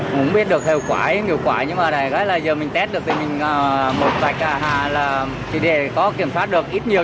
không biết được hiệu quả hay không hiệu quả nhưng mà đại gái là giờ mình test được thì mình một vạch là chỉ để có kiểm tra được ít nhiều